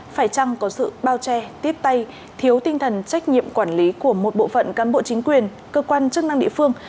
phải chăng có sự bao che tiếp tay thiếu tinh thần trách nhiệm quản lý của một bộ phận cán bộ chính quyền cơ quan chức năng địa phương